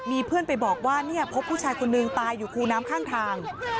มีเพื่อนไปบอกว่าเนี่ยพบผู้ชายคนนึงตายอยู่คูน้ำข้างทาง